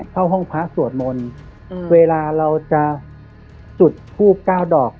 เข้าห้องพระสวดมนต์เวลาเราจะจุดทูบ๙ดอก